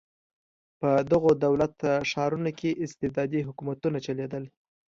په دغو دولت ښارونو کې استبدادي حکومتونه چلېدل.